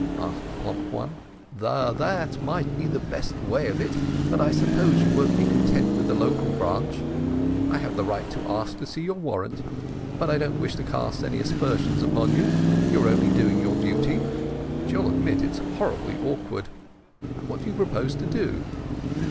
asked the plump one. "That might be the best way out of it, but I suppose you won't be content with the local branch. I have the right to ask to see your warrant, but I don't wish to cast any aspersions upon you. You are only doing your duty. But you'll admit it's horribly awkward. What do you propose to do?"